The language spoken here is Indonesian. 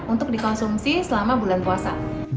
untuk dikonsumsi selama bulan puasa